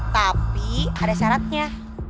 tapi ada syaratnya